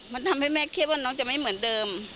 มันทำให้แม่เครียดว่าน้องจะไม่เหมือนเดิม